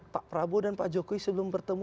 pak prabowo dan pak jokowi sebelum bertemu